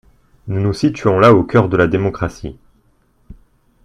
Nous nous situons là au cœur de la démocratie.